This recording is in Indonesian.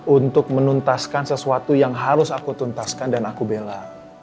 untuk menuntaskan sesuatu yang harus aku tuntaskan dan aku bela